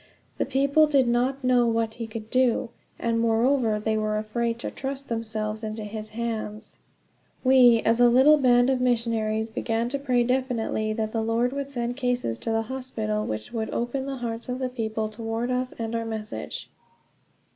The people did not know what he could do, and moreover they were afraid to trust themselves into his hands. We, as a little band of missionaries, began to pray definitely that the Lord would send cases to the hospital which would open the hearts of the people toward us and our message.